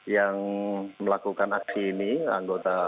yang melakukan aksi ini anggota